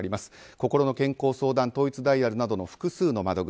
こころの健康相談統一ダイヤルなどの複数の窓口